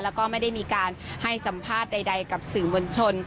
แล้วก็ไม่ได้มีการให้สัมภาษณ์ใดกับสื่อมวลชน